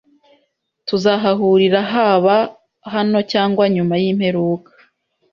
tuzahahurira haba hano cyangwa nyuma y'imperuka.